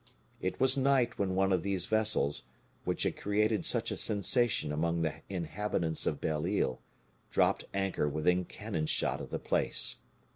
It was night when one of these vessels, which had created such a sensation among the inhabitants of Belle Isle, dropped anchor within cannon shot of the place.